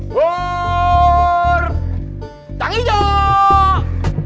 war tangi jauh